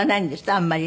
あんまり。